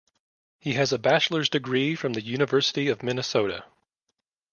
He has a bachelor's degree from the University of Minnesota.